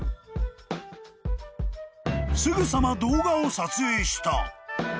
［すぐさま動画を撮影した］